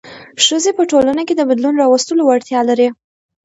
ښځې په ټولنه کې د بدلون راوستلو وړتیا لري.